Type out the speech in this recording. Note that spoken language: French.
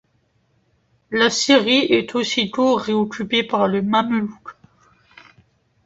La Syrie est aussitôt réoccupée par les Mamelouks.